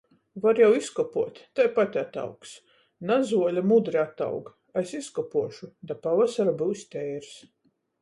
Var jau izkopuot, taipat ataugs. Nazuole mudri ataug. Es izkopuošu, da pavasara byus teirs.